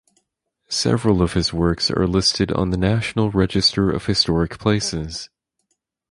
Several of his works are listed on the National Register of Historic Places.